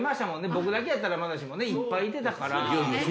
僕だけやったらまだしもねいっぱいいてたから。